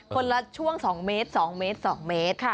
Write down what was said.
คนละช่วง๒เมตร๒เมตร๒เมตร